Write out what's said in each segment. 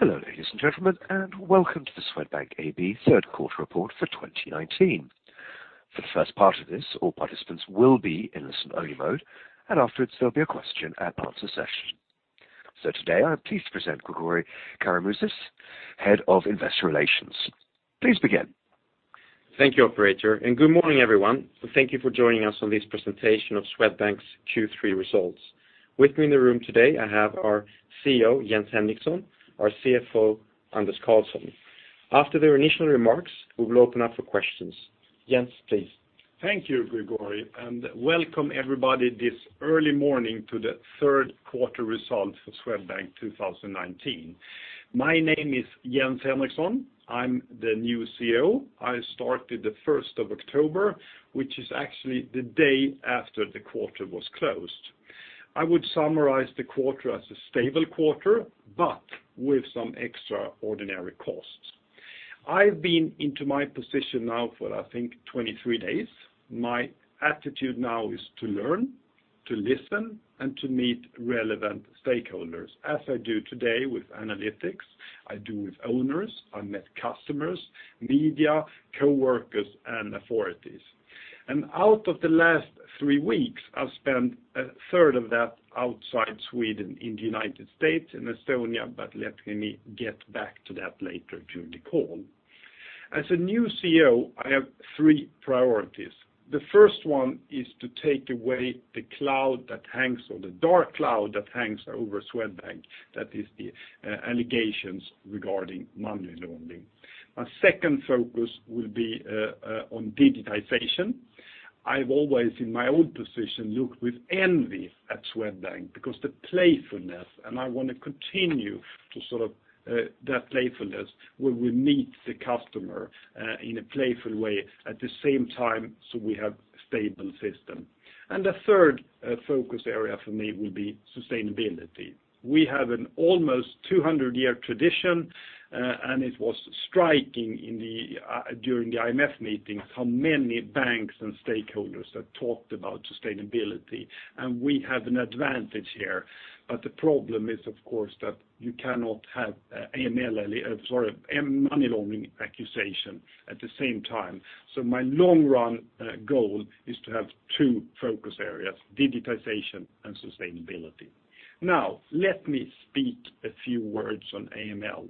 Hello, ladies and gentlemen, and welcome to the Swedbank AB third quarter report for 2019. For the first part of this, all participants will be in listen-only mode, and afterwards, there'll be a question and answer session. Today I'm pleased to present Gregori Karamouzis, Head of Investor Relations. Please begin. Thank you, operator, and good morning, everyone. Thank you for joining us on this presentation of Swedbank's Q3 results. With me in the room today, I have our CEO, Jens Henriksson, our CFO, Anders Karlsson. After their initial remarks, we will open up for questions. Jens, please. Thank you, Gregori, welcome everybody this early morning to the third quarter results for Swedbank 2019. My name is Jens Henriksson. I'm the new CEO. I started the 1st of October, which is actually the day after the quarter was closed. I would summarize the quarter as a stable quarter, with some extraordinary costs. I've been into my position now for, I think, 23 days. My attitude now is to learn, to listen, and to meet relevant stakeholders, as I do today with analysts, I do with owners, I met customers, media, coworkers, and authorities. Out of the last three weeks, I've spent a third of that outside Sweden in the United States and Estonia, but let me get back to that later during the call. As a new CEO, I have three priorities. The first one is to take away the cloud that hangs, or the dark cloud that hangs over Swedbank. That is the allegations regarding money laundering. My second focus will be on digitization. I've always, in my own position, looked with envy at Swedbank because the playfulness, and I want to continue to sort of that playfulness where we meet the customer in a playful way at the same time so we have a stable system. The third focus area for me will be sustainability. We have an almost 200-year tradition, it was striking during the IMF meetings how many banks and stakeholders have talked about sustainability. We have an advantage here. The problem is, of course, that you cannot have AML, sorry, money laundering accusation at the same time. My long-run goal is to have two focus areas, digitization and sustainability. Let me speak a few words on AML.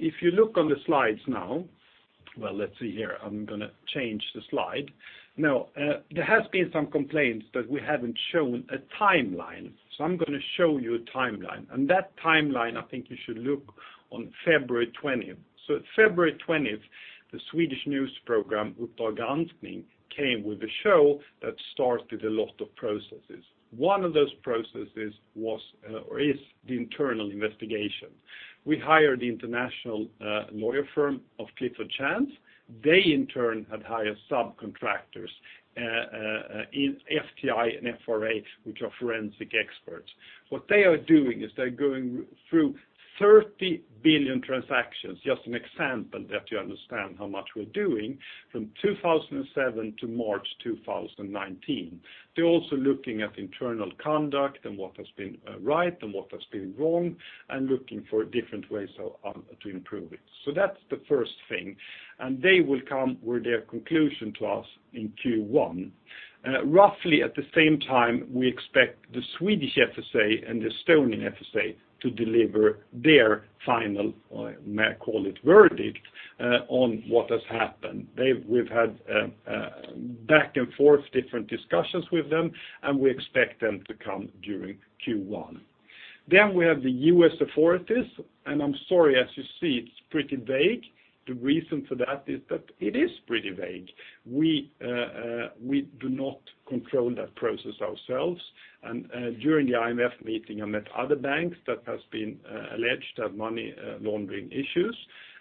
If you look on the slides now, well, let's see here. I'm going to change the slide. There has been some complaints that we haven't shown a timeline. I'm going to show you a timeline. That timeline, I think you should look on February 20th. At February 20th, the Swedish news program "Uppdrag granskning" came with a show that started a lot of processes. One of those processes was, or is the internal investigation. We hired the international lawyer firm of Clifford Chance. They in turn have hired subcontractors, FTI and FRA, which are forensic experts. What they are doing is they're going through 30 billion transactions, just an example that you understand how much we're doing, from 2007 to March 2019. They're also looking at internal conduct and what has been right and what has been wrong and looking for different ways to improve it. That's the first thing, and they will come with their conclusion to us in Q1. Roughly at the same time, we expect the Swedish FSA and the Estonian FSA to deliver their final, may I call it, verdict on what has happened. We've had back and forth different discussions with them, and we expect them to come during Q1. We have the US authorities, and I'm sorry as you see it's pretty vague. The reason for that is that it is pretty vague. We do not control that process ourselves. During the IMF meeting, I met other banks that has been alleged to have money laundering issues,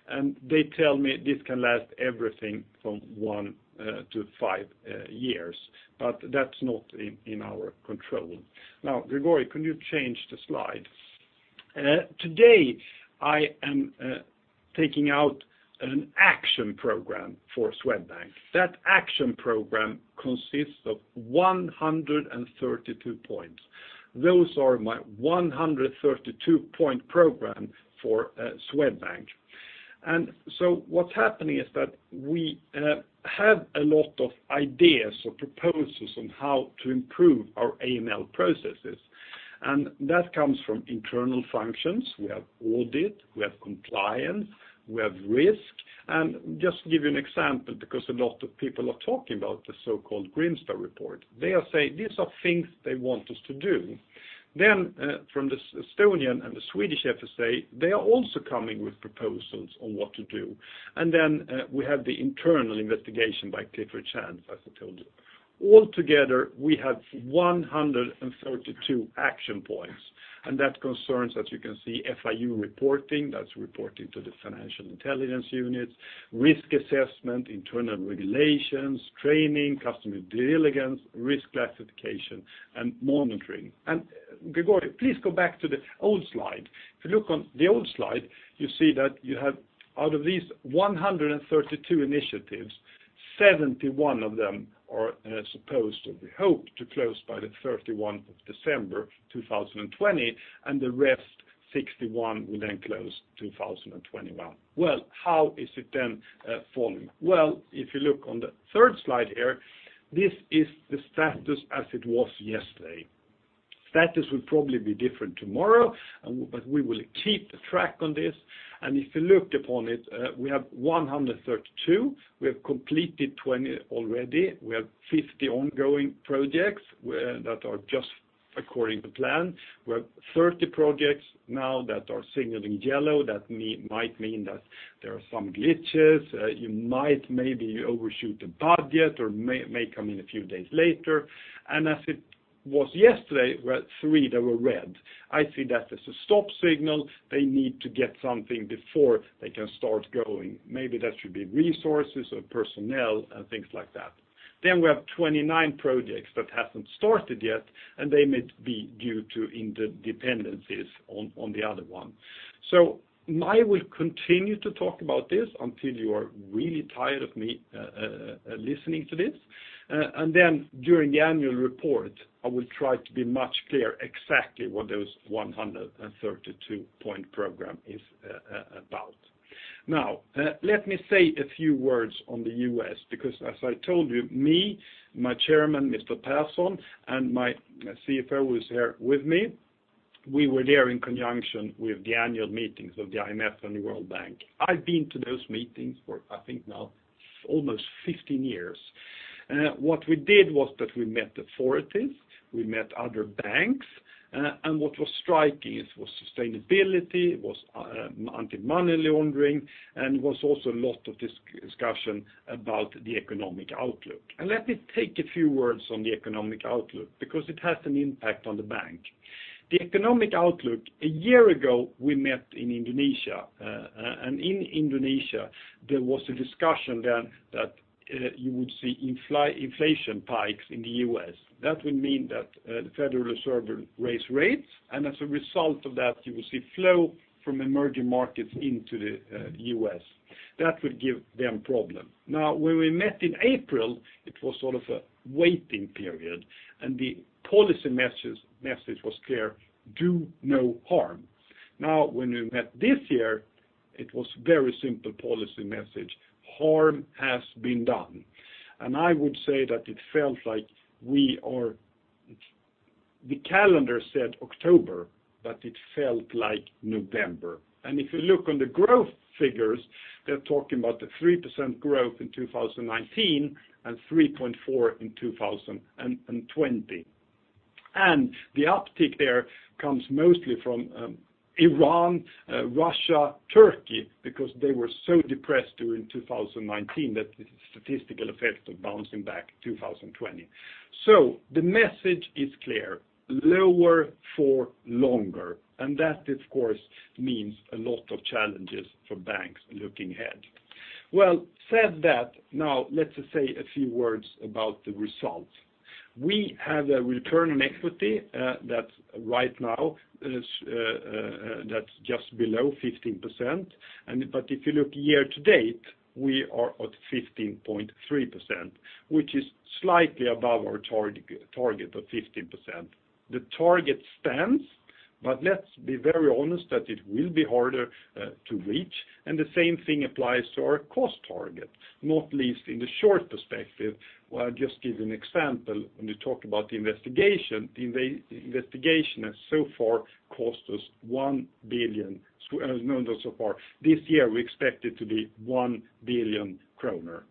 and they tell me this can last everything from one to five years, but that's not in our control. Now, Gregori, can you change the slide? Today I am taking out an action program for Swedbank. That action program consists of 132 points. Those are my 132-point program for Swedbank. What's happening is that we have a lot of ideas or proposals on how to improve our AML processes. That comes from internal functions. We have audit, we have compliance, we have risk. Just to give you an example, because a lot of people are talking about the so-called Grimstad report. They are saying these are things they want us to do. From the Estonian and the Swedish FSA, they are also coming with proposals on what to do. We have the internal investigation by Clifford Chance, as I told you. All together, we have 132 action points, that concerns, as you can see, FIU reporting, that's reporting to the Financial Intelligence Unit, risk assessment, internal regulations, training, customer due diligence, risk classification, and monitoring. Gregori, please go back to the old slide. If you look on the old slide, you see that you have out of these 132 initiatives, 71 of them are supposed, or we hope, to close by the 31st of December 2020, and the rest, 61, will then close 2021. How is it then falling? If you look on the third slide here, this is the status as it was yesterday. Status will probably be different tomorrow. We will keep the track on this. If you looked upon it, we have 132. We have completed 20 already. We have 50 ongoing projects that are just according to plan. We have 30 projects now that are signaling yellow. That might mean that there are some glitches. You might maybe overshoot the budget or may come in a few days later. As it was yesterday, we had three that were red. I see that as a stop signal. They need to get something before they can start going. Maybe that should be resources or personnel and things like that. We have 29 projects that haven't started yet, and they may be due to interdependencies on the other one. I will continue to talk about this until you are really tired of listening to this. During the annual report, I will try to be much clear exactly what those 132-point program is about. Let me say a few words on the U.S., because as I told you, me, my Chairman, Mr. Persson, and my CFO, who is here with me, we were there in conjunction with the annual meetings of the IMF and the World Bank. I've been to those meetings for, I think now, almost 15 years. What we did was that we met authorities, we met other banks, and what was striking was sustainability, was anti-money laundering, and was also a lot of discussion about the economic outlook. Let me take a few words on the economic outlook, because it has an impact on the bank. The economic outlook, a year ago, we met in Indonesia. In Indonesia, there was a discussion then that you would see inflation hikes in the U.S. That would mean that the Federal Reserve will raise rates. As a result of that, you will see flow from emerging markets into the U.S. That would give them problem. When we met in April, it was sort of a waiting period. The policy message was clear: do no harm. When we met this year, it was very simple policy message: harm has been done. I would say that it felt like The calendar said October. It felt like November. If you look on the growth figures, they're talking about the 3% growth in 2019 and 3.4% in 2020. The uptick there comes mostly from Iran, Russia, Turkey, because they were so depressed during 2019 that the statistical effect of bouncing back 2020. The message is clear: lower for longer. That, of course, means a lot of challenges for banks looking ahead. Well, said that, now let's say a few words about the results. We have a return on equity that right now is just below 15%. If you look year to date, we are at 15.3%, which is slightly above our target of 15%. The target stands, but let's be very honest that it will be harder to reach, and the same thing applies to our cost target, not least in the short perspective. Well, I'll just give you an example. When you talk about the investigation, the investigation has so far cost us 1 billion. No, not so far. This year, we expect it to be 1 billion kronor.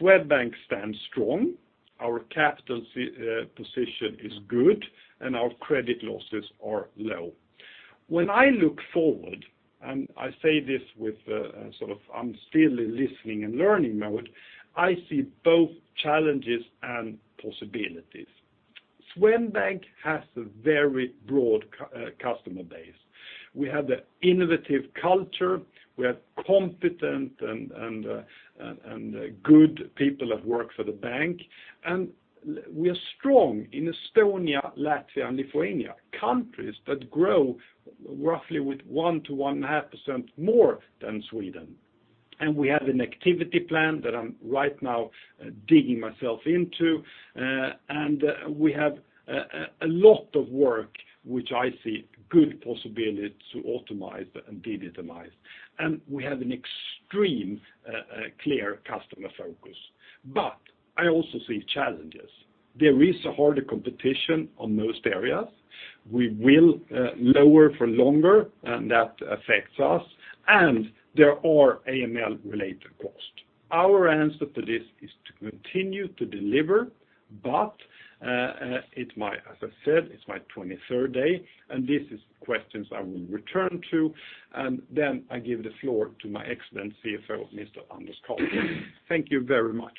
Swedbank stands strong. Our capital position is good, and our credit losses are low. When I look forward, and I say this with a sort of, I'm still in listening and learning mode, I see both challenges and possibilities. Swedbank has a very broad customer base. We have the innovative culture, we have competent and good people that work for the bank, we are strong in Estonia, Latvia, and Lithuania, countries that grow roughly with 1%-1.5% more than Sweden. We have an activity plan that I'm right now digging myself into. We have a lot of work which I see good possibility to optimize and digitize. We have an extreme clear customer focus. I also see challenges. There is a harder competition on most areas. We will lower for longer, that affects us. There are AML-related costs. Our answer to this is to continue to deliver, but as I said, it's my 23rd day, and these are questions I will return to, and then I give the floor to my excellent CFO, Mr. Anders Karlsson. Thank you very much.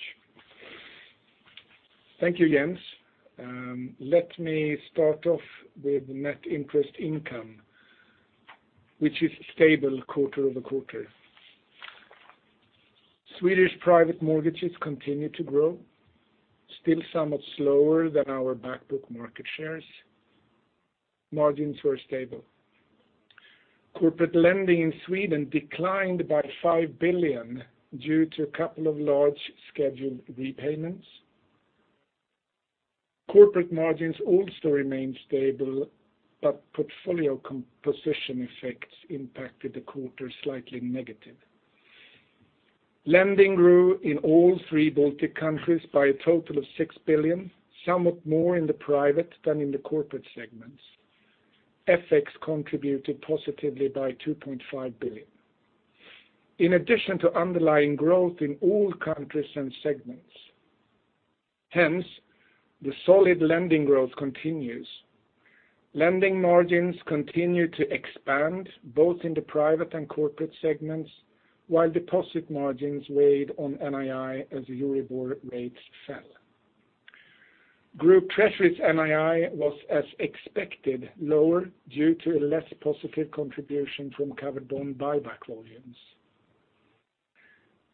Thank you, Jens. Let me start off with net interest income, which is stable quarter-over-quarter. Swedish private mortgages continue to grow, still somewhat slower than our back book market shares. Margins were stable. Corporate lending in Sweden declined by 5 billion due to a couple of large scheduled repayments. Corporate margins also remained stable. Portfolio composition effects impacted the quarter slightly negative. Lending grew in all three Baltic countries by a total of 6 billion, somewhat more in the private than in the corporate segments. FX contributed positively by 2.5 billion in addition to underlying growth in all countries and segments. The solid lending growth continues. Lending margins continue to expand both in the private and corporate segments, while deposit margins weighed on NII as Euribor rates fell. Group Treasury's NII was as expected, lower due to a less positive contribution from covered bond buyback volumes.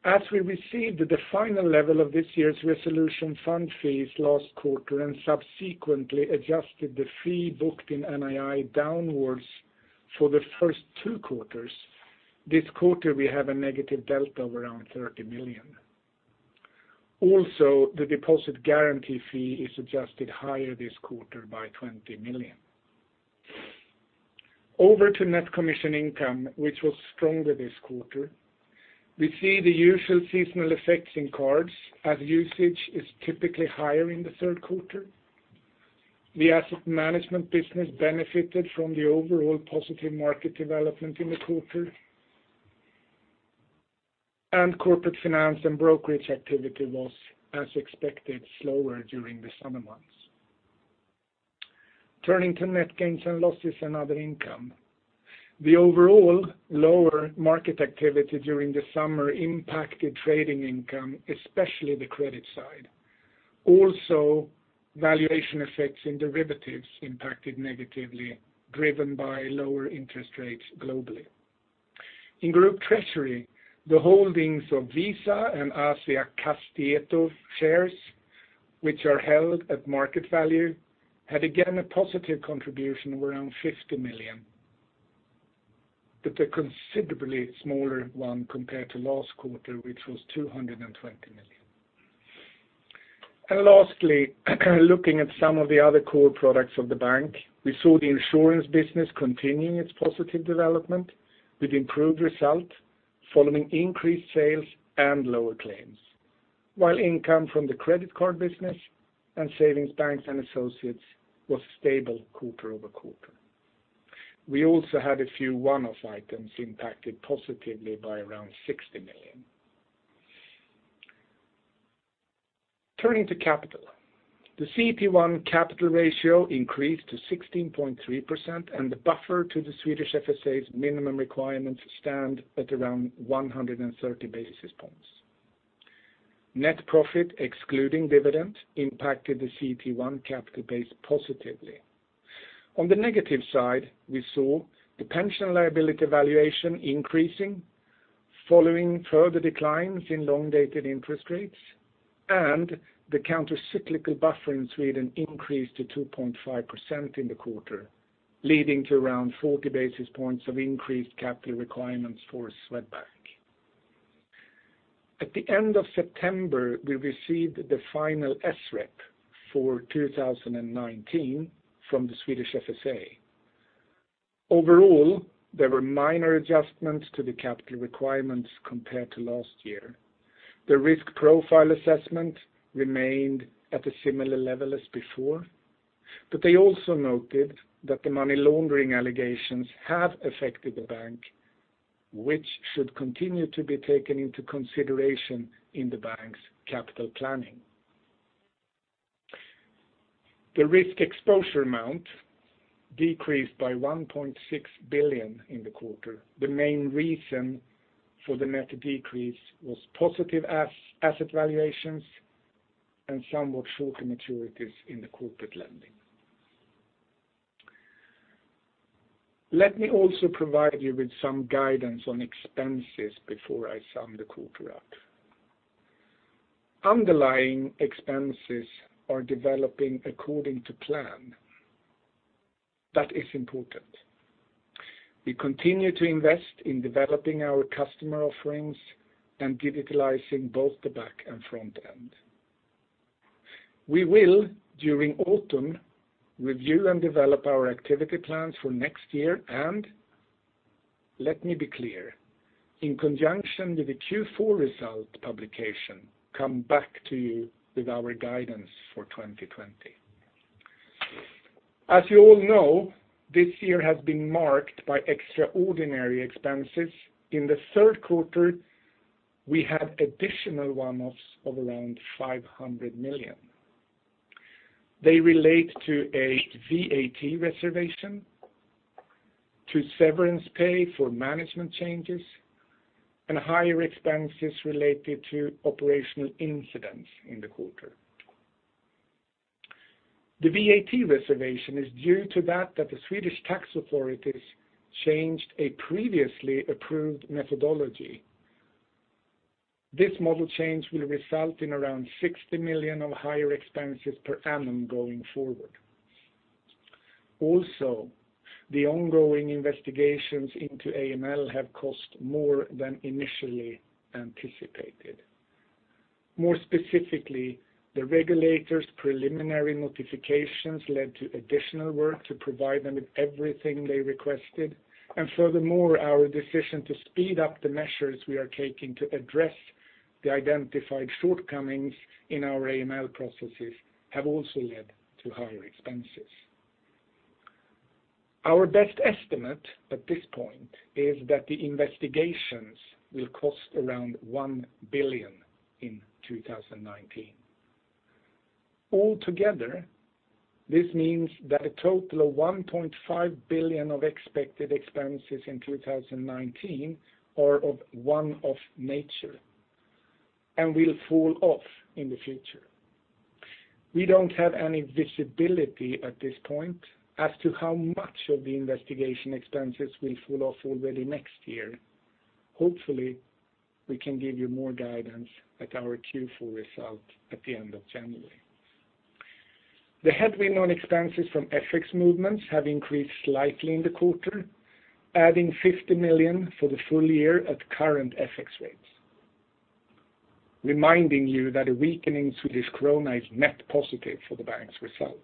As we received the final level of this year's resolution fund fees last quarter and subsequently adjusted the fee booked in NII downwards for the first two quarters, this quarter we have a negative delta of around 30 million. The deposit guarantee fee is adjusted higher this quarter by 20 million. Over to net commission income, which was stronger this quarter. We see the usual seasonal effects in cards as usage is typically higher in the third quarter. The asset management business benefited from the overall positive market development in the quarter. Corporate finance and brokerage activity was, as expected, slower during the summer months. Turning to net gains and losses and other income. The overall lower market activity during the summer impacted trading income, especially the credit side. Valuation effects and derivatives impacted negatively, driven by lower interest rates globally. In Group Treasury, the holdings of Visa and Asiakastieto shares, which are held at market value, had again a positive contribution of around 50 million. A considerably smaller one compared to last quarter, which was 220 million. Lastly, looking at some of the other core products of the bank. We saw the insurance business continuing its positive development with improved result following increased sales and lower claims. While income from the credit card business and savings banks and associates was stable quarter-over-quarter. We also had a few one-off items impacted positively by around 60 million. Turning to capital. The CET1 capital ratio increased to 16.3% and the buffer to the Swedish FSA's minimum requirements stand at around 130 basis points. Net profit excluding dividend impacted the CET1 capital base positively. On the negative side, we saw the pension liability valuation increasing following further declines in long-dated interest rates and the countercyclical buffer in Sweden increased to 2.5% in the quarter, leading to around 40 basis points of increased capital requirements for Swedbank. At the end of September, we received the final SREP for 2019 from the Swedish FSA. Overall, there were minor adjustments to the capital requirements compared to last year. The risk profile assessment remained at a similar level as before, but they also noted that the money laundering allegations have affected the bank, which should continue to be taken into consideration in the bank's capital planning. The risk exposure amount decreased by 1.6 billion in the quarter. The main reason for the net decrease was positive asset valuations and somewhat shorter maturities in the corporate lending. Let me also provide you with some guidance on expenses before I sum the quarter up. Underlying expenses are developing according to plan. That is important. We continue to invest in developing our customer offerings and digitalizing both the back and front end. We will, during autumn, review and develop our activity plans for next year and let me be clear, in conjunction with the Q4 result publication, come back to you with our guidance for 2020. As you all know, this year has been marked by extraordinary expenses. In the third quarter, we had additional one-offs of around 500 million. They relate to a VAT reservation, to severance pay for management changes, and higher expenses related to operational incidents in the quarter. The VAT reservation is due to that the Swedish Tax Agency changed a previously approved methodology. This model change will result in around 60 million of higher expenses per annum going forward. The ongoing investigations into AML have cost more than initially anticipated. More specifically, the regulators' preliminary notifications led to additional work to provide them with everything they requested. Furthermore, our decision to speed up the measures we are taking to address the identified shortcomings in our AML processes have also led to higher expenses. Our best estimate at this point is that the investigations will cost around 1 billion in 2019. This means that a total of 1.5 billion of expected expenses in 2019 are of one-off nature, and will fall off in the future. We don't have any visibility at this point as to how much of the investigation expenses will fall off already next year. Hopefully, we can give you more guidance at our Q4 result at the end of January. The headwind on expenses from FX movements have increased slightly in the quarter, adding 50 million for the full year at current FX rates. Reminding you that a weakening Swedish krona is net positive for the bank's result.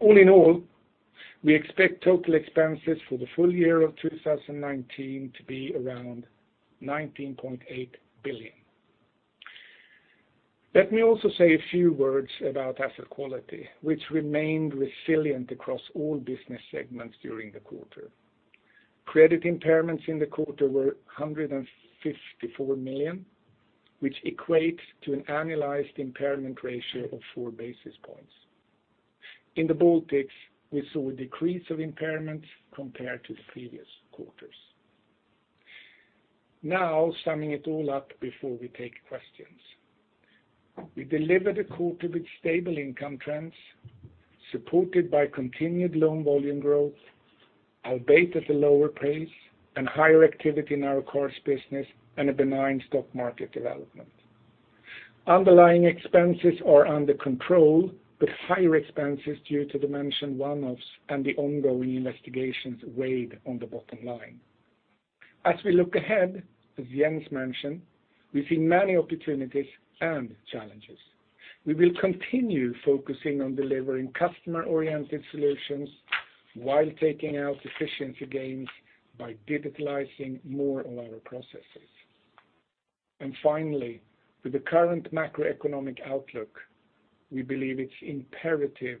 All in all, we expect total expenses for the full year of 2019 to be around 19.8 billion. Let me also say a few words about asset quality, which remained resilient across all business segments during the quarter. Credit impairments in the quarter were 154 million, which equates to an annualized impairment ratio of four basis points. In the Baltics, we saw a decrease of impairments compared to the previous quarters. Summing it all up before we take questions. We delivered a quarter with stable income trends, supported by continued loan volume growth, albeit at a lower pace, and higher activity in our cards business and a benign stock market development. Underlying expenses are under control, higher expenses due to the mentioned one-offs and the ongoing investigations weighed on the bottom line. As we look ahead, as Jens mentioned, we see many opportunities and challenges. We will continue focusing on delivering customer-oriented solutions while taking out efficiency gains by digitalizing more of our processes. Finally, with the current macroeconomic outlook, we believe it's imperative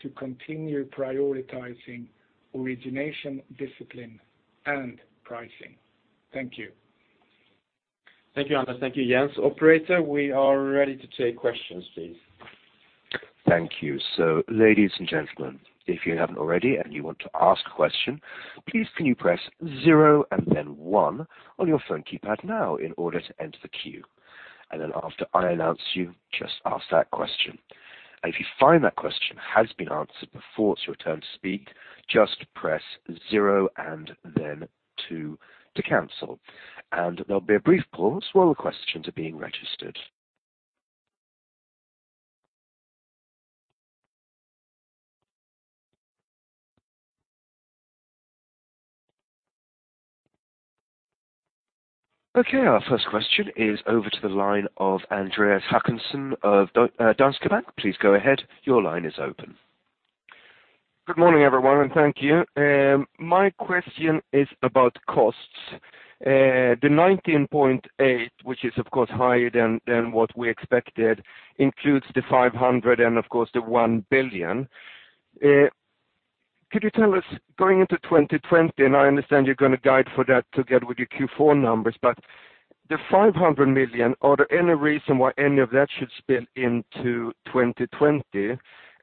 to continue prioritizing origination discipline and pricing. Thank you. Thank you, Anders. Thank you, Jens. Operator, we are ready to take questions, please. Thank you. Ladies and gentlemen, if you haven't already and you want to ask a question, please can you press zero and then one on your phone keypad now in order to enter the queue. After I announce you, just ask that question. If you find that question has been answered before it's your turn to speak, just press zero and then two to cancel. There'll be a brief pause while the questions are being registered. Okay, our first question is over to the line of Andreas Håkansson of Danske Bank. Please go ahead. Your line is open. Good morning, everyone, and thank you. My question is about costs. The 19.8 billion, which is of course higher than what we expected, includes the 500 million and of course, the 1 billion. Could you tell us going into 2020, I understand you're going to guide for that together with your Q4 numbers, but the 500 million, are there any reason why any of that should spill into 2020?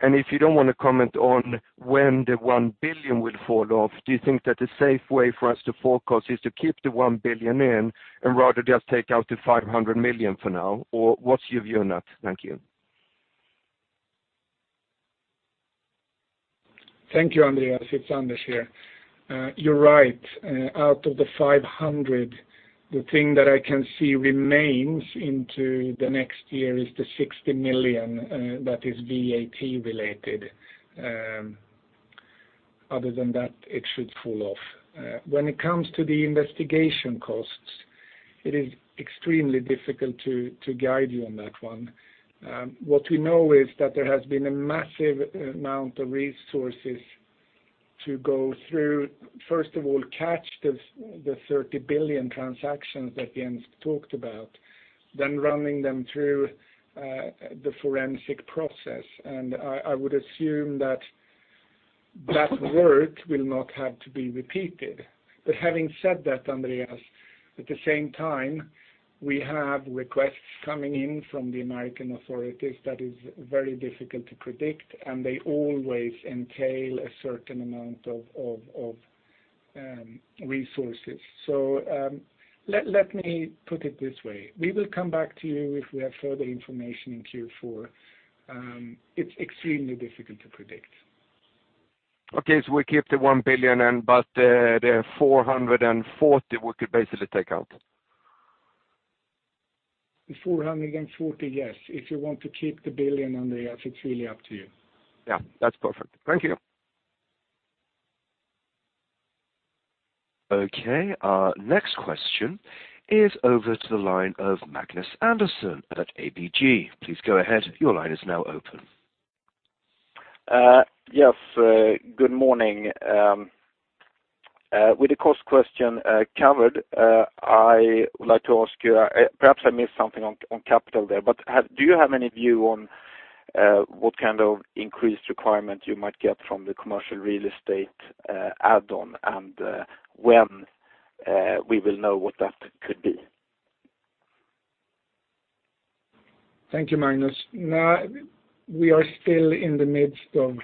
If you don't want to comment on when the 1 billion will fall off, do you think that the safe way for us to forecast is to keep the 1 billion in and rather just take out the 500 million for now? What's your view on that? Thank you. Thank you, Andreas. It's Anders here. You're right. Out of the 500, the thing that I can see remains into the next year is the 60 million that is VAT related. Other than that, it should fall off. When it comes to the investigation costs, it is extremely difficult to guide you on that one. What we know is that there has been a massive amount of resources to go through, first of all, catch the 30 billion transactions that Jens talked about, then running them through the forensic process. I would assume that work will not have to be repeated. Having said that, Andreas, at the same time, we have requests coming in from the American authorities that is very difficult to predict, and they always entail a certain amount of resources. Let me put it this way. We will come back to you if we have further information in Q4. It's extremely difficult to predict. We keep the 1 billion, but the 440 we could basically take out. The 440 billion, yes. If you want to keep the billion, Andreas, it's really up to you. Yeah, that's perfect. Thank you. Okay. Our next question is over to the line of Magnus Andersson at ABG. Please go ahead. Your line is now open. Yes. Good morning. With the cost question covered, I would like to ask you, perhaps I missed something on capital there, but do you have any view on what kind of increased requirement you might get from the commercial real estate add-on and when we will know what that could be? Thank you, Magnus. We are still in the midst of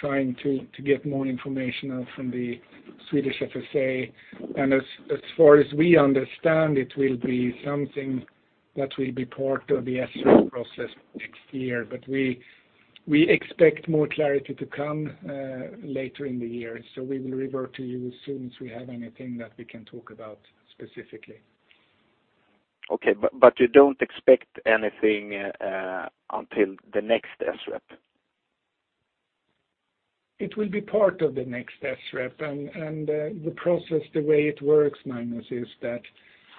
trying to get more information out from the Swedish FSA. As far as we understand, it will be something that will be part of the SREP process next year. We expect more clarity to come later in the year. We will revert to you as soon as we have anything that we can talk about specifically. Okay. You don't expect anything until the next SREP? It will be part of the next SREP. The process, the way it works, Magnus, is that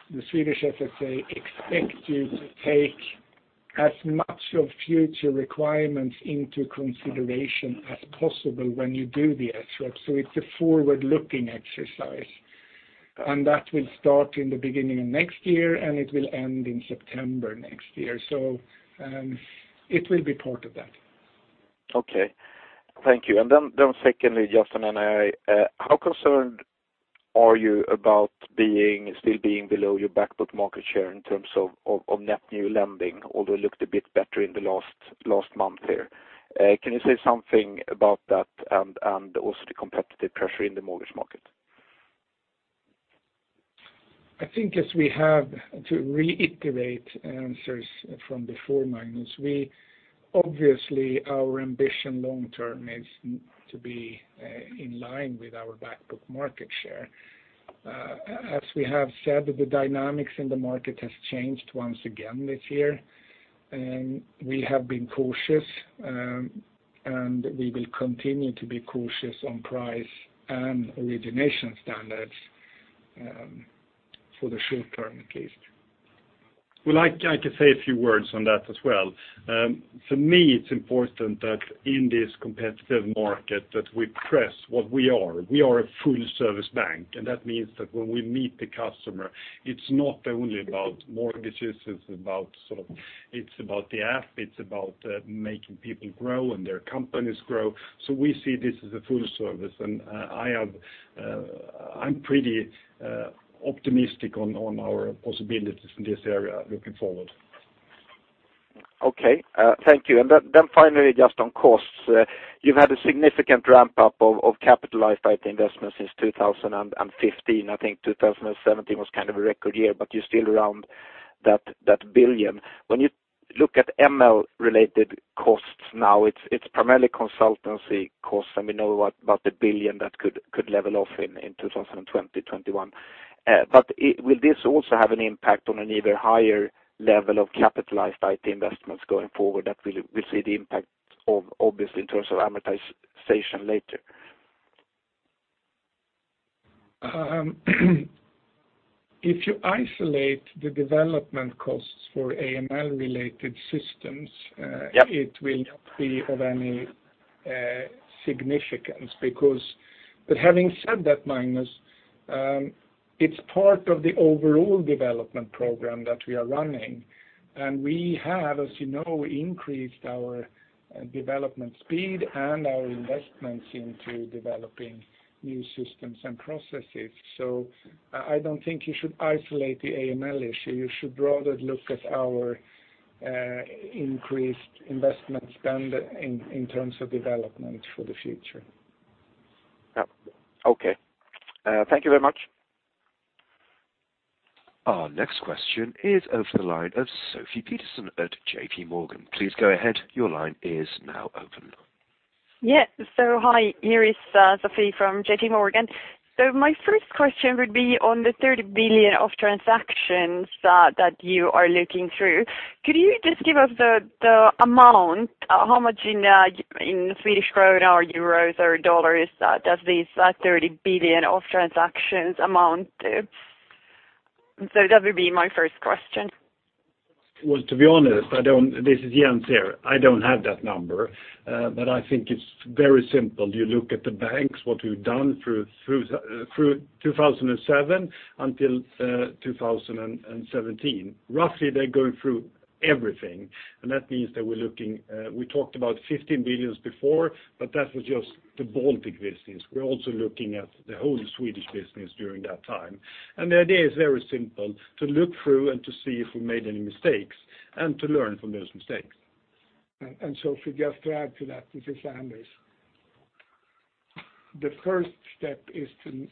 the Swedish FSA expects you to take as much of future requirements into consideration as possible when you do the SREP. It's a forward-looking exercise. That will start in the beginning of next year, and it will end in September next year. It will be part of that. Okay. Thank you. Secondly, just on NII, how concerned are you about still being below your backbook market share in terms of net new lending, although it looked a bit better in the last month there? Can you say something about that and also the competitive pressure in the mortgage market? I think as we have to reiterate answers from before, Magnus, obviously, our ambition long term is to be in line with our backbook market share. As we have said, the dynamics in the market has changed once again this year. We have been cautious, and we will continue to be cautious on price and origination standards for the short term, at least. I could say a few words on that as well. For me, it's important that in this competitive market that we press what we are. We are a full-service bank, and that means that when we meet the customer, it's not only about mortgages, it's about the app, it's about making people grow and their companies grow. We see this as a full service, and I'm pretty optimistic on our possibilities in this area looking forward. Okay. Thank you. Then finally, just on costs. You've had a significant ramp-up of capitalized IT investments since 2015. I think 2017 was a record year, but you're still around that 1 billion. When you look at AML-related costs now, it's primarily consultancy costs, and we know about the 1 billion that could level off in 2020, 2021. Will this also have an impact on an even higher level of capitalized IT investments going forward that we'll see the impact of, obviously, in terms of amortization later? If you isolate the development costs for AML-related systems. Yep It will not be of any significance. Having said that, Magnus, it's part of the overall development program that we are running. We have, as you know, increased our development speed and our investments into developing new systems and processes. I don't think you should isolate the AML issue. You should rather look at our increased investment spend in terms of development for the future. Okay. Thank you very much. Our next question is over the line of Sophie Peterson at JP Morgan. Please go ahead. Your line is now open. Yes. Hi, here is Sophie from JP Morgan. My first question would be on the 30 billion of transactions that you are looking through. Could you just give us the amount, how much in Swedish krona or euros or dollars that these 30 billion of transactions amount to? That would be my first question. To be honest, this is Jens here. I don't have that number. I think it's very simple. You look at the banks, what we've done through 2007 until 2017. Roughly, they're going through everything, and that means that we talked about 15 billion before, but that was just the Baltic business. We're also looking at the whole Swedish business during that time. The idea is very simple, to look through and to see if we made any mistakes and to learn from those mistakes. Sophie, just to add to that, this is Anders. The first step is to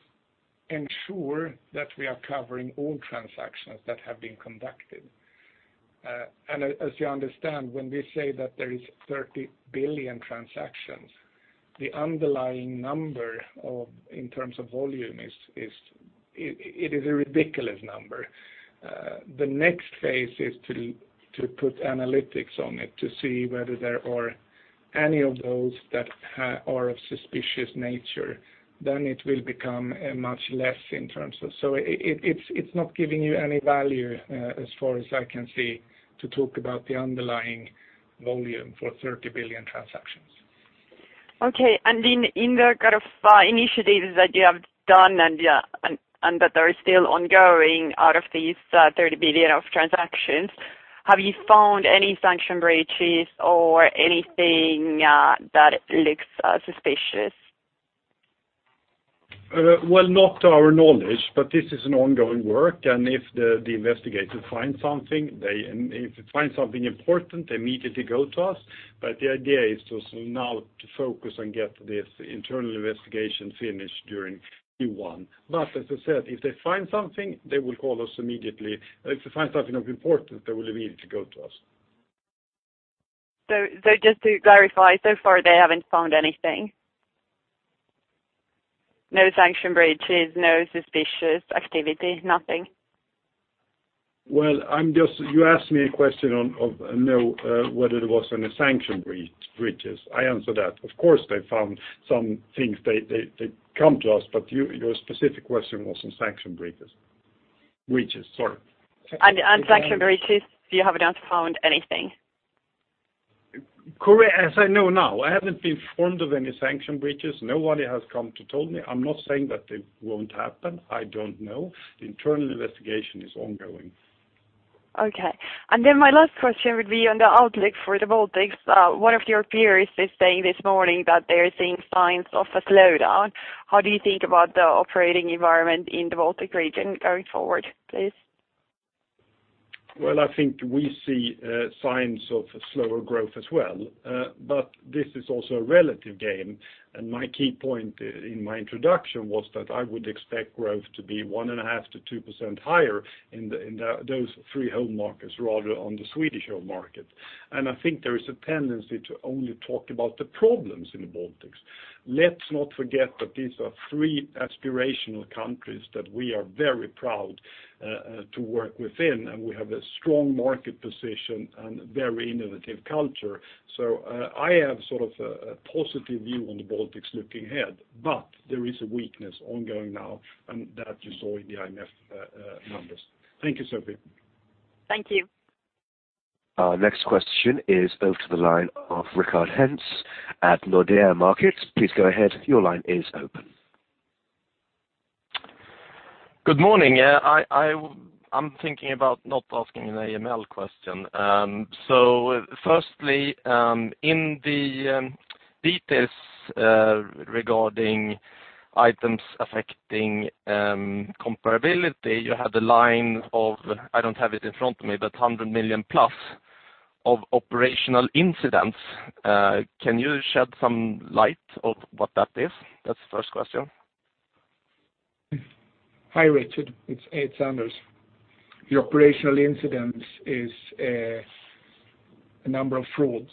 ensure that we are covering all transactions that have been conducted As you understand, when we say that there is 30 billion transactions, the underlying number in terms of volume, it is a ridiculous number. The next phase is to put analytics on it to see whether there are any of those that are of suspicious nature. It's not giving you any value, as far as I can see, to talk about the underlying volume for 30 billion transactions. Okay. In the kind of initiatives that you have done and that are still ongoing out of these 30 billion of transactions, have you found any sanction breaches or anything that looks suspicious? Well, not to our knowledge, but this is an ongoing work, and if the investigators find something important, they immediately go to us. The idea is to now focus and get this internal investigation finished during Q1. As I said, if they find something of importance, they will immediately go to us. Just to clarify, so far they haven't found anything? No sanction breaches, no suspicious activity, nothing? You asked me a question of whether there was any sanction breaches. I answered that. Of course, they found some things. They come to us. Your specific question was on sanction breaches. On sanction breaches, you have not found anything? As I know now, I haven't been informed of any sanction breaches. Nobody has come to tell me. I'm not saying that they won't happen. I don't know. The internal investigation is ongoing. Okay. My last question would be on the outlook for the Baltics. One of your peers is saying this morning that they're seeing signs of a slowdown. How do you think about the operating environment in the Baltic region going forward, please? Well, I think we see signs of a slower growth as well. This is also a relative game, and my key point in my introduction was that I would expect growth to be 1.5%-2% higher in those three home markets rather on the Swedish home market. I think there is a tendency to only talk about the problems in the Baltics. Let's not forget that these are three aspirational countries that we are very proud to work within, and we have a strong market position and very innovative culture. I have a positive view on the Baltics looking ahead. There is a weakness ongoing now, and that you saw in the IMF numbers. Thank you, Sophie. Thank you. Our next question is over to the line of Rickard Henze at Nordea Markets. Please go ahead. Your line is open. Good morning. I am thinking about not asking an AML question. Firstly, in the details regarding items affecting comparability, you had a line of, I don't have it in front of me, but 100 million-plus of operational incidents. Can you shed some light on what that is? That's the first question. Hi, Rickard. It's Anders. The operational incidents is a number of frauds.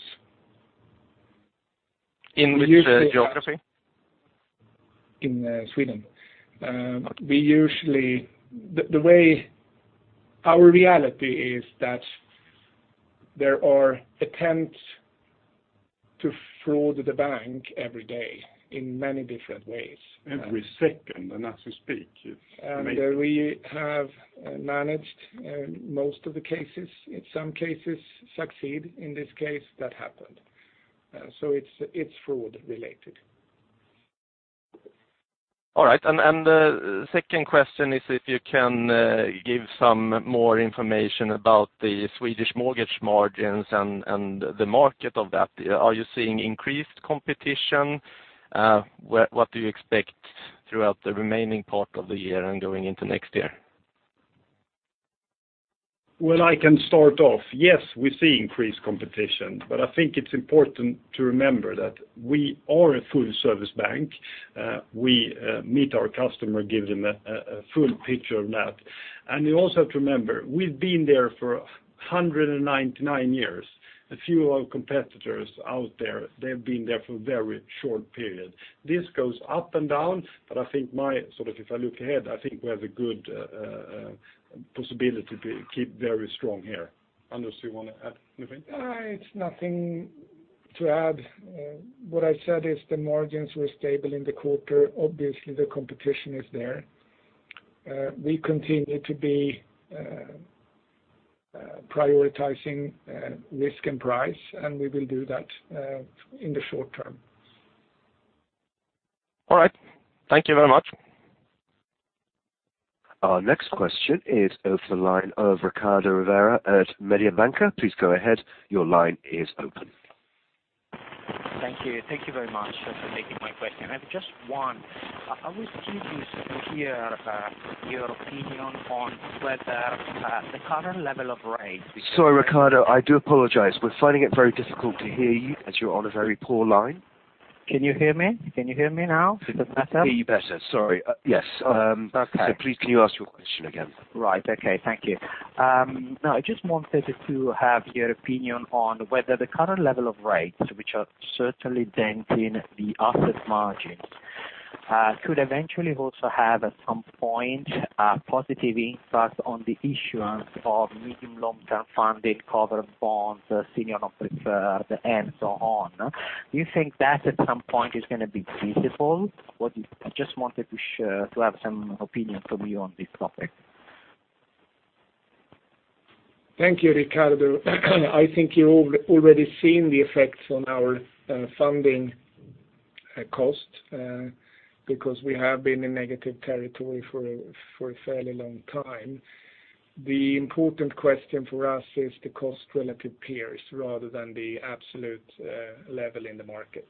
In which geography? In Sweden, our reality is that there are attempts to fraud the bank every day in many different ways. Every second and as we speak it's. We have managed most of the cases. In some cases succeed. In this case, that happened. It's fraud related. All right. The second question is if you can give some more information about the Swedish mortgage margins and the market of that. Are you seeing increased competition? What do you expect throughout the remaining part of the year and going into next year? Well, I can start off. Yes, we see increased competition. I think it's important to remember that we are a full-service bank. We meet our customer, give them a full picture of that. You also have to remember, we've been there for 199 years. A few of our competitors out there, they've been there for a very short period. This goes up and down. I think if I look ahead, I think we have a good possibility to keep very strong here. Anders, you want to add anything? It's nothing to add. What I said is the margins were stable in the quarter. Obviously, the competition is there. We continue to be prioritizing risk and price, and we will do that in the short term. All right. Thank you very much. Our next question is over the line of Riccardo Rovere at Mediobanca. Please go ahead. Your line is open. Thank you. Thank you very much for taking my question. I have just one. I was curious to hear your opinion on whether the current level of rates- Sorry, Riccardo, I do apologize. We are finding it very difficult to hear you as you are on a very poor line. Can you hear me now? Is that better? Can hear you better. Sorry. Yes. Okay. Please, can you ask your question again? Right. Okay. Thank you. I just wanted to have your opinion on whether the current level of rates, which are certainly denting the asset margins, could eventually also have, at some point, a positive impact on the issuance of medium long-term funded cover bonds, senior non-preferred, and so on. Do you think that at some point is going to be feasible? I just wanted to have some opinion from you on this topic. Thank you, Riccardo. I think you've already seen the effects on our funding cost because we have been in negative territory for a fairly long time. The important question for us is the cost relative peers, rather than the absolute level in the market.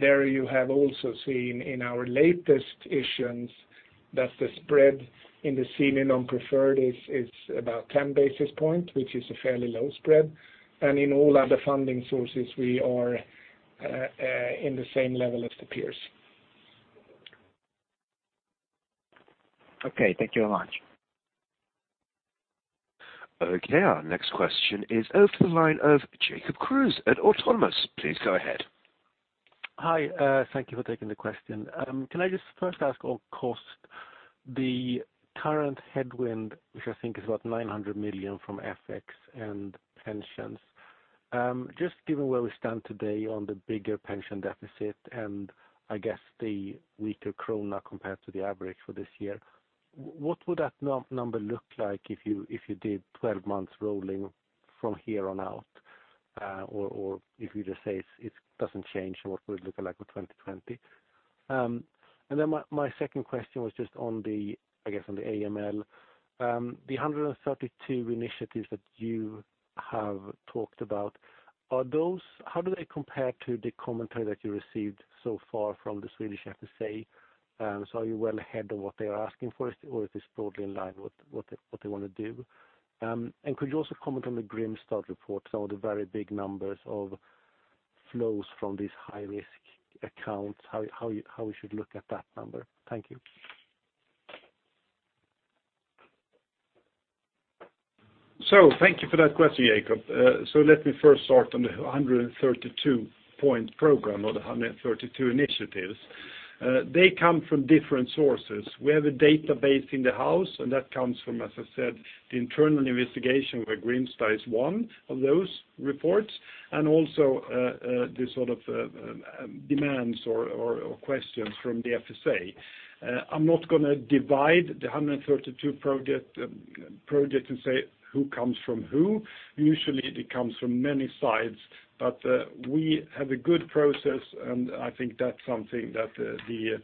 There you have also seen in our latest issuance that the spread in the senior non-preferred is about 10 basis points, which is a fairly low spread, and in all other funding sources, we are in the same level as the peers. Okay. Thank you very much. Okay. Our next question is over to the line of Jacob Kruse at Autonomous. Please go ahead. Hi. Thank you for taking the question. Can I just first ask on cost, the current headwind, which I think is about 900 million from FX and pensions. Just given where we stand today on the bigger pension deficit and I guess the weaker krona compared to the average for this year, what would that number look like if you did 12 months rolling from here on out? If you just say it doesn't change, what would it look like for 2020? My second question was just on the AML. The 132 initiatives that you have talked about, how do they compare to the commentary that you received so far from the Swedish FSA? Are you well ahead of what they are asking for, or is this broadly in line with what they want to do? Could you also comment on the Grimstad report, some of the very big numbers of flows from these high-risk accounts, how we should look at that number? Thank you. Thank you for that question, Jacob. Let me first start on the 132-point program or the 132 initiatives. They come from different sources. We have a database in the house, and that comes from, as I said, the internal investigation where Grimstad is one of those reports, and also the demands or questions from the FSA. I'm not going to divide the 132 project and say who comes from who. Usually it comes from many sides, but we have a good process and I think that's something that the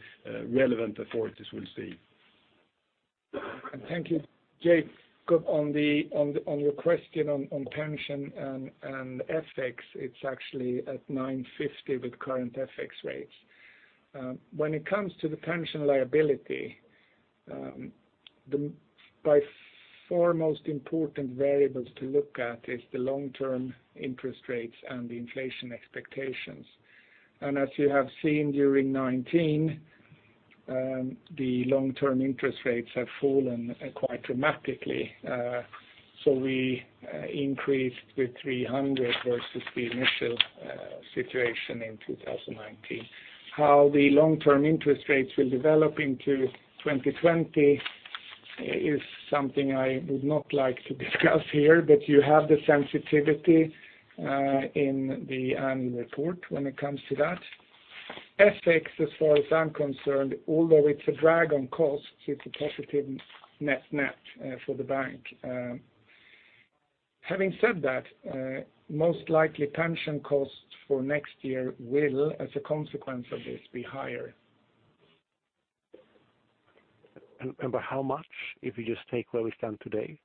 relevant authorities will see. Thank you, Jacob, on your question on pension and FX, it's actually at 950 with current FX rates. When it comes to the pension liability, by far most important variables to look at is the long-term interest rates and the inflation expectations. As you have seen during 2019, the long-term interest rates have fallen quite dramatically. We increased with 300 versus the initial situation in 2019. How the long-term interest rates will develop into 2020 is something I would not like to discuss here, but you have the sensitivity in the annual report when it comes to that. FX, as far as I'm concerned, although it's a drag on costs, it's a positive net for the bank. Having said that, most likely pension costs for next year will, as a consequence of this, be higher. By how much, if you just take where we stand today?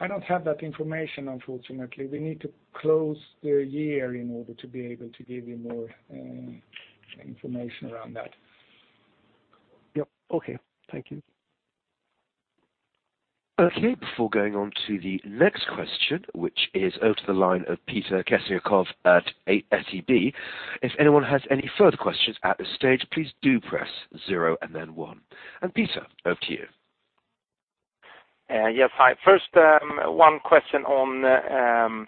I don't have that information, unfortunately. We need to close the year in order to be able to give you more information around that. Yep. Okay. Thank you. Okay, before going on to the next question, which is over to the line of Peter Kessiakoff at SEB. If anyone has any further questions at this stage, please do press zero and then one. Peter, over to you. Yes. Hi. First, one question on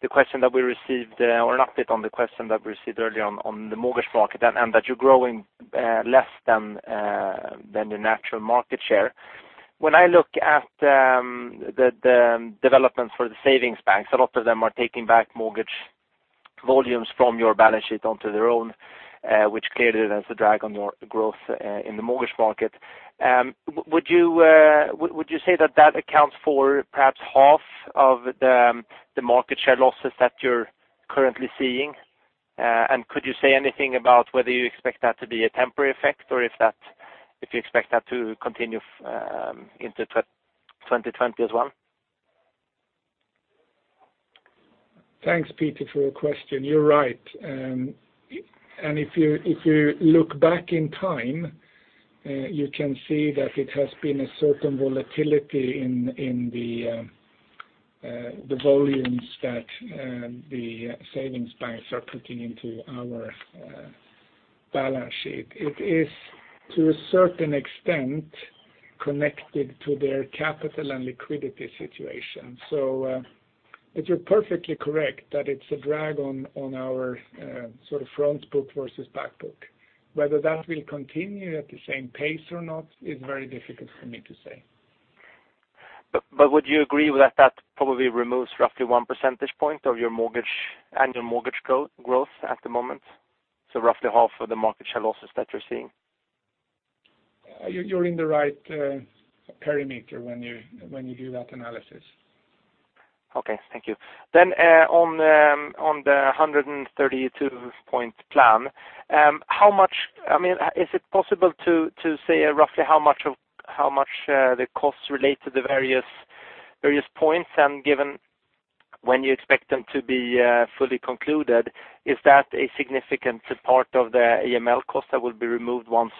the question that we received, or an update on the question that we received earlier on the mortgage market, and that you're growing less than the natural market share. When I look at the developments for the savings banks, a lot of them are taking back mortgage volumes from your balance sheet onto their own, which clearly has a drag on your growth in the mortgage market. Would you say that that accounts for perhaps half of the market share losses that you're currently seeing? Could you say anything about whether you expect that to be a temporary effect or if you expect that to continue into 2020 as well? Thanks, Peter, for your question. You're right. If you look back in time, you can see that it has been a certain volatility in the volumes that the savings banks are putting into our balance sheet. It is to a certain extent connected to their capital and liquidity situation. You're perfectly correct that it's a drag on our front book versus back book. Whether that will continue at the same pace or not is very difficult for me to say. Would you agree with that probably removes roughly one percentage point of your annual mortgage growth at the moment? Roughly half of the market share losses that you're seeing. You're in the right parameter when you do that analysis. Okay. Thank you. On the 132-point plan, is it possible to say roughly how much the costs relate to the various points and given when you expect them to be fully concluded? Is that a significant part of the AML cost that will be removed once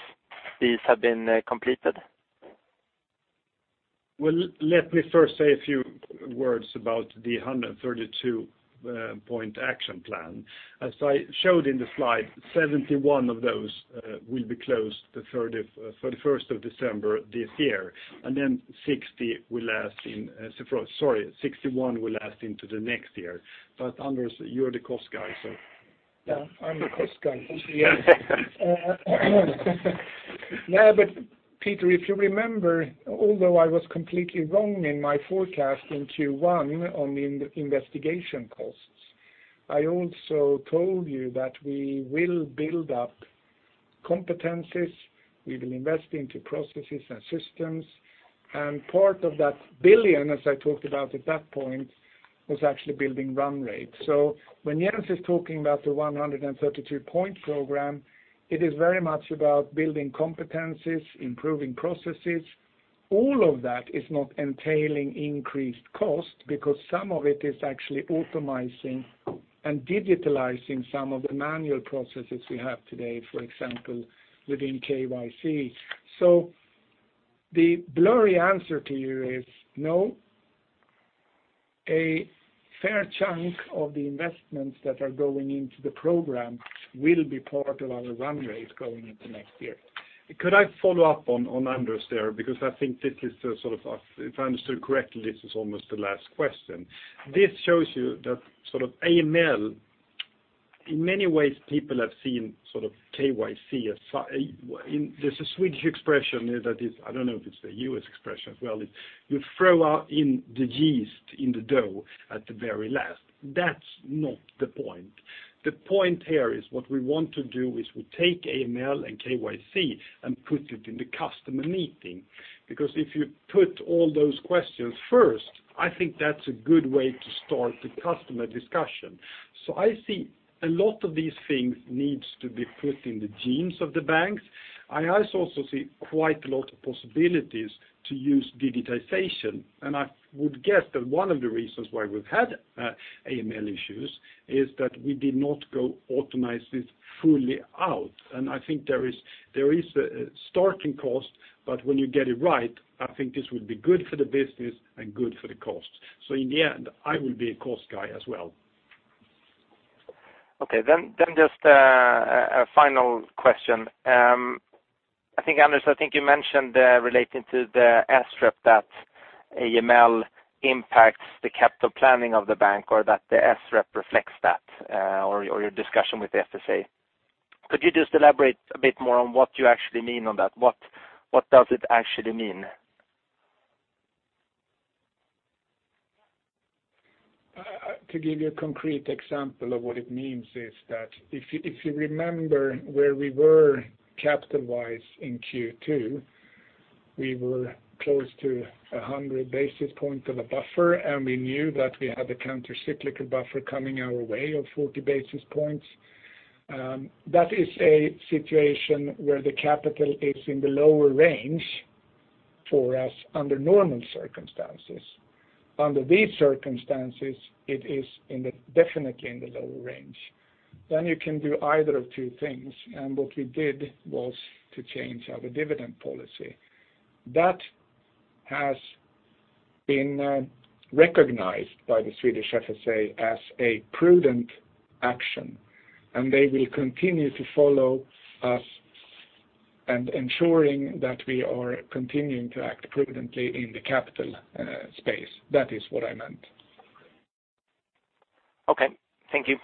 these have been completed? Well, let me first say a few words about the 132-point action plan. As I showed in the slide, 71 of those will be closed the 31st of December this year, and then 61 will last into the next year. Anders, you're the cost guy. I'm the cost guy. Yes. Peter, if you remember, although I was completely wrong in my forecast in Q1 on the investigation costs, I also told you that we will build up competencies. We will invest into processes and systems. Part of that 1 billion, as I talked about at that point, was actually building run rate. When Jens is talking about the 132-point program, it is very much about building competencies, improving processes. All of that is not entailing increased cost because some of it is actually optimizing and digitalizing some of the manual processes we have today, for example, within KYC. The blurry answer to you is no. A fair chunk of the investments that are going into the program will be part of our run rate going into next year. Could I follow up on Anders there? I think if I understood correctly, this is almost the last question. This shows you that AML, in many ways, people have seen KYC as. There's a Swedish expression that is, I don't know if it's a U.S. expression as well. You throw out in the yeast in the dough at the very last. That's not the point. The point here is what we want to do is we take AML and KYC and put it in the customer meeting. If you put all those questions first, I think that's a good way to start the customer discussion. I see a lot of these things needs to be put in the genes of the banks. I also see quite a lot of possibilities to use digitization. I would guess that one of the reasons why we've had AML issues is that we did not go automize this fully out. I think there is a starting cost, but when you get it right, I think this will be good for the business and good for the cost. In the end, I will be a cost guy as well. Okay. Just a final question. I think, Anders, I think you mentioned relating to the SREP that AML impacts the capital planning of the bank or that the SREP reflects that or your discussion with the FSA. Could you just elaborate a bit more on what you actually mean on that? What does it actually mean? To give you a concrete example of what it means is that if you remember where we were capital-wise in Q2, we were close to 100 basis points of a buffer. We knew that we had a countercyclical buffer coming our way of 40 basis points. That is a situation where the capital is in the lower range for us under normal circumstances. Under these circumstances, it is definitely in the lower range. You can do either of two things, and what we did was to change our dividend policy. That has been recognized by the Swedish FSA as a prudent action. They will continue to follow us and ensuring that we are continuing to act prudently in the capital space. That is what I meant. Okay. Thank you.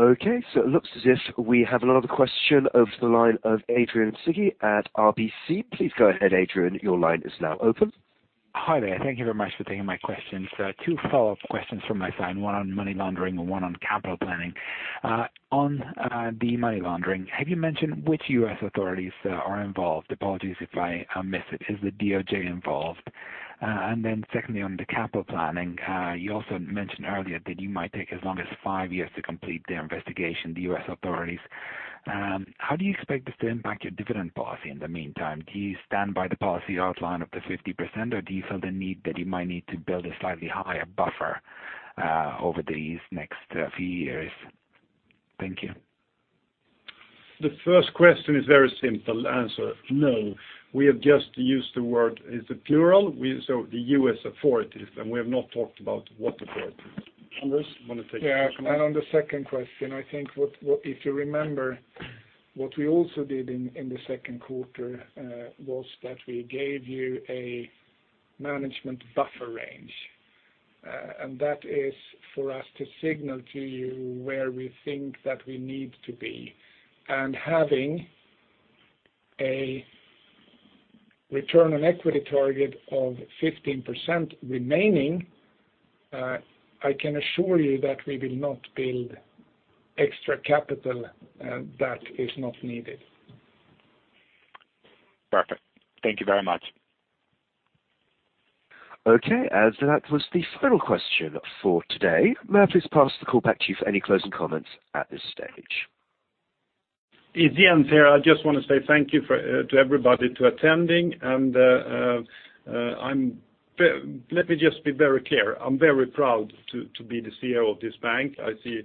Okay, it looks as if we have another question over the line of Adrian Tsige at RBC. Please go ahead, Adrian. Your line is now open. Hi there. Thank you very much for taking my questions. Two follow-up questions from my side, one on money laundering and one on capital planning. On the money laundering, have you mentioned which U.S. authorities are involved? Apologies if I missed it. Is the DOJ involved? Secondly, on the capital planning, you also mentioned earlier that you might take as long as 5 years to complete the investigation, the U.S. authorities. How do you expect this to impact your dividend policy in the meantime? Do you stand by the policy outline of the 50%, or do you feel the need that you might need to build a slightly higher buffer over these next few years? Thank you. The first question is very simple. Answer, no. We have just used the word, it's a plural, so the U.S. authorities, and we have not talked about what authorities. Anders, you want to. Yeah. On the second question, I think if you remember, what we also did in the second quarter was that we gave you a management buffer range. That is for us to signal to you where we think that we need to be. Having a return on equity target of 15% remaining, I can assure you that we will not build extra capital that is not needed. Perfect. Thank you very much. Okay, as that was the final question for today, may I please pass the call back to you for any closing comments at this stage? In the end there, I just want to say thank you to everybody to attending, and let me just be very clear. I'm very proud to be the CEO of this bank. I see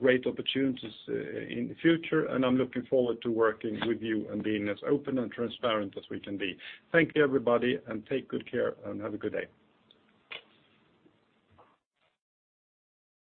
great opportunities in the future, and I'm looking forward to working with you and being as open and transparent as we can be. Thank you, everybody, and take good care, and have a good day.